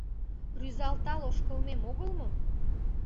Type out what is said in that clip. Рӱзалтал ошкылмем огыл мо?